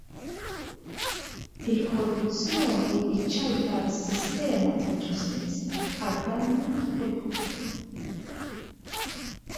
Il-korruzzjoni ċċajpar is-sistema tal-ġustizzja għad-dannu ta' kulħadd.